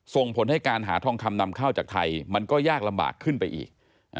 ส่งผลให้การหาทองคำนำเข้าจากไทยมันก็ยากลำบากขึ้นไปอีก